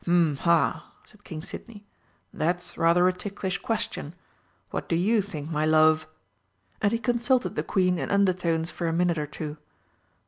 "H'm ha!" said King Sydney, "that's rather a ticklish question! What do you think, my love?" and he consulted the Queen in undertones for a minute or two.